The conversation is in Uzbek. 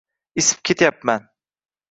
Isib ketyapman